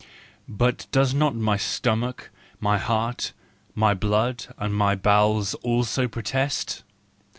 But do not my stomach, my heart, my blood and my bowels also protest